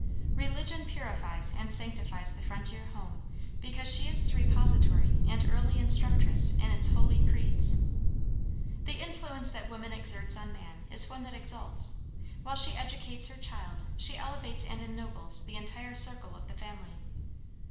Religion purifies and sanctifies the frontier home because she is the repository and early instructress in its Holy Creeds. The influence that woman exerts on man is one that exalts: while she educates her child she elevates and ennobles the entire circle of the family.